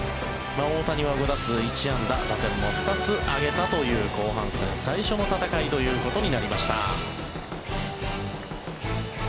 大谷は５打数１安打打点も２つ挙げたという後半戦最初の戦いということになりました。